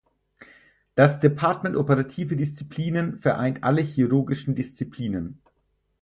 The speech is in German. Das Departement Operative Disziplinen vereint alle chirurgischen Disziplinen.